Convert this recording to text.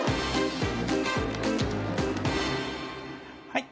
はい。